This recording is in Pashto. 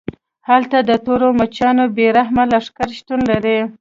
هلته د تورو مچانو بې رحمه لښکرې شتون لري